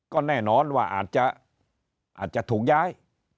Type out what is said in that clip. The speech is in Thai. ก็แน่นอนว่าอาจจะถูกย้าย